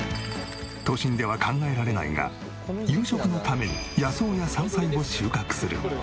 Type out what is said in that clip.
都心では考えられないが夕食のために野草や山菜を収穫する。